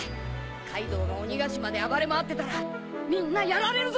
カイドウが鬼ヶ島で暴れ回ってたらみんなやられるぞ。